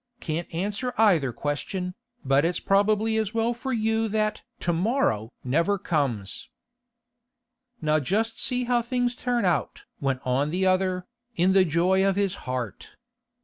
'Can't answer either question, but it's probably as well for you that to morrow never comes.' 'Now just see how things turn out!' went on the other, in the joy of his heart.